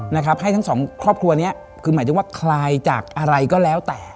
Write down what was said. นะครับให้ทั้งสองครอบครัวเนี้ยคือหมายถึงว่าคลายจากอะไรก็แล้วแต่